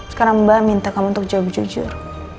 sekarang mbak minta kamu untuk jauh jujur